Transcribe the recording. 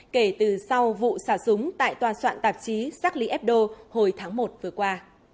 kể từ sau vụ xả súng tại toàn soạn tạp chí sacli ebdo hồi tháng một vừa qua